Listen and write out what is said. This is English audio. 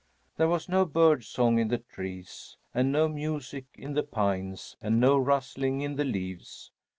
There was no bird song in the trees and no music in the pines and no rustling in the leaves.